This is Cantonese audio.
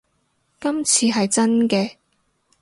今次係真嘅